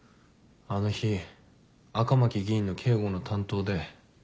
あの日赤巻議員の警護の担当で。